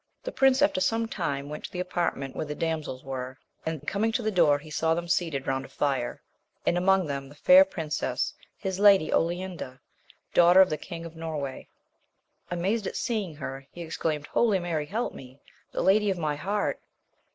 The prince after some time went to the apartment where the damsels were, and coming to the door he saw them seated round a fire, and among them the fair princess, his Lady OKnda, daughter of the King of Norway. Amazed at seeing her, he ex claimed Holy Mary, help me ! the lady of my heart